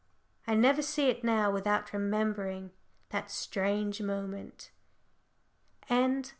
I never see it now without remembering that strange evening.